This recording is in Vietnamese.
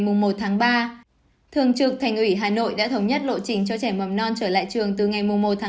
thường trực thành ủy hà nội đã thống nhất lộ trình cho trẻ mầm non trở lại trường từ ngày một ba